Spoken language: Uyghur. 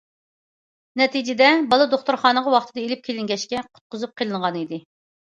نەتىجىدە، بالا دوختۇرخانىغا ۋاقتىدا ئېلىپ كېلىنگەچكە قۇتقۇزۇپ قېلىنغانىدى.